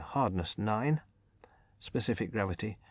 Hardness. _Specific Gravity.